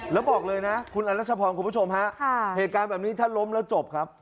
แล้วบอกเลยนะคุณอรัชพรคุณผู้ชมฮะเหตุการณ์แบบนี้ถ้าล้มแล้วจบครับ